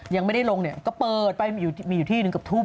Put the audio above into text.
ยังไม่ได้ลงเนี่ยก็เปิดไปมีอยู่ที่หนึ่งเกือบทุ่ม